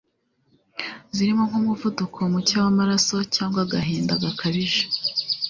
zirimo nk'umuvuduko muke w'amaraso cyangwa agahinda gakabije